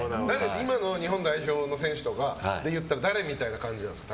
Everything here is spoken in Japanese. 今の日本代表の選手だと誰みたいな感じなんですか？